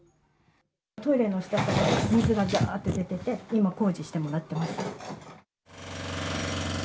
トイレの下から水がじゃーって出てて、今、工事してもらってます。